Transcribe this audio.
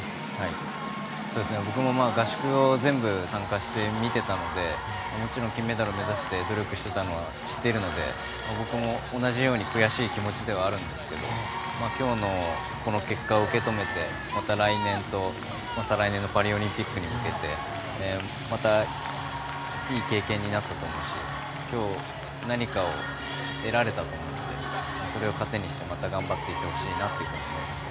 僕も合宿には全部参加して見ていたのでもちろん金メダルを目指して努力していたのは知っているので僕も同じように悔しい気持ちではあるんですけど今日のこの結果を受け止めてまた来年と再来年のパリオリンピックに向けてまたいい経験になったと思うし今日、何かを得られたと思うのでそれを糧にしてまた頑張ってほしいと思います。